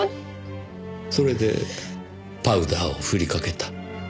それでパウダーをふりかけた。